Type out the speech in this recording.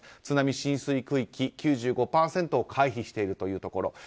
津波浸水区域９５％を回避しているというところ。